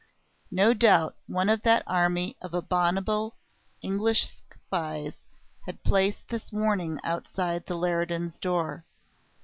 No doubt one of that army of abominable English spies had placed this warning outside the Leridans' door.